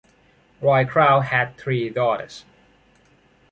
Roy Kral had three daughters.